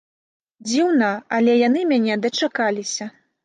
Дзіўна, але яны мяне дачакаліся.